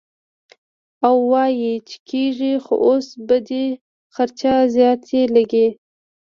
او وائي چې کيږي خو اوس به دې خرچه زياته لګي -